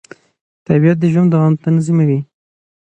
طبیعت د ژوند دوام تضمینوي